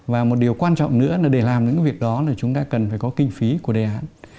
và một điều quan trọng nữa là để làm những cái việc đó là chúng ta cần phải có kinh phí của đề án